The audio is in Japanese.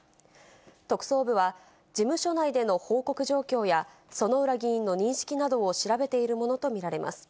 特捜部は、事務所内での報告状況や、薗浦議員の認識などを調べているものと見られます。